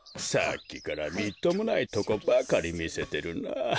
さっきからみっともないとこばかりみせてるな。